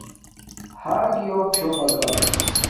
ہݳر گݵݸم چھݸمَکݳ.